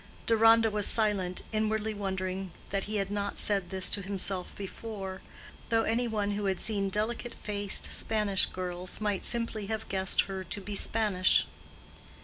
Deronda was silent, inwardly wondering that he had not said this to himself before, though any one who had seen delicate faced Spanish girls might simply have guessed her to be Spanish.